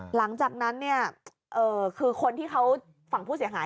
หลังจากนั้นเนี่ยคือคนที่เขาฝั่งผู้เสียหาย